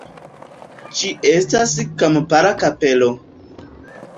Ĝi estas kampara kapelo.